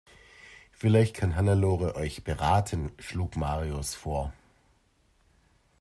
Vielleicht kann Hannelore euch beraten, schlug Marius vor.